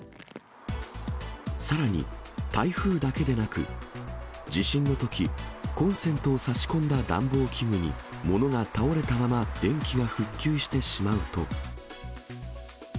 さらに台風だけでなく、地震のとき、コンセントを差し込んだ暖房器具に物が倒れたまま電気が復旧してしまうと。